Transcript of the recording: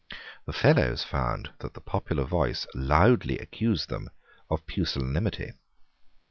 The Fellows found that the popular voice loudly accused them of pusillanimity.